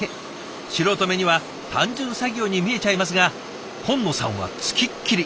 素人目には単純作業に見えちゃいますが金野さんは付きっきり。